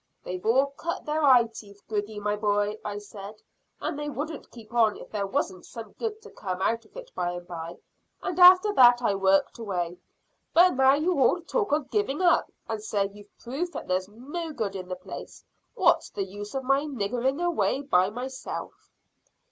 `They've all cut their eye teeth, Griggy, my boy,' I said, `and they wouldn't keep on if there wasn't some good to come out of it by and by,' and after that I worked away. But now you all talk of giving up, and say you've proved that there's no good in the place, what's the use of my niggering away by myself?"